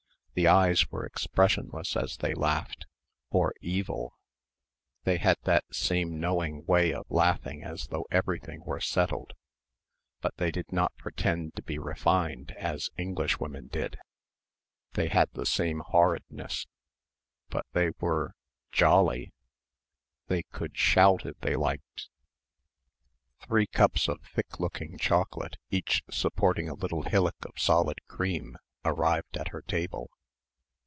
The eyes were expressionless as they laughed or evil ... they had that same knowing way of laughing as though everything were settled but they did not pretend to be refined as Englishwomen did ... they had the same horridness ... but they were ... jolly.... They could shout if they liked. Three cups of thick looking chocolate, each supporting a little hillock of solid cream arrived at her table.